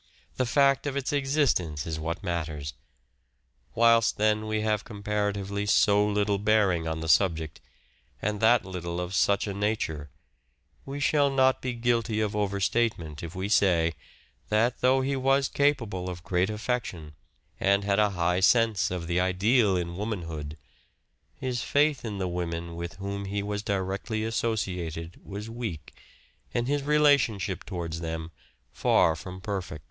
The fact of its existence is what matters. Whilst, then, we have comparatively so little bearing on the subject, and that little of such a nature, we shall not be guilty of over statement if we say that though he was capable of great affection, and had a high sense of the ideal in womanhood, his faith in the women with whom he was directly associated was weak, and his relationship towards them far from perfect.